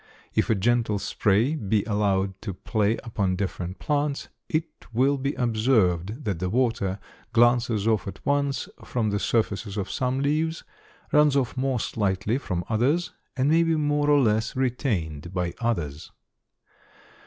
If a gentle spray be allowed to play upon different plants it will be observed that the water glances off at once from the surfaces of some leaves, runs off more slightly from others, and may be more or less retained by others.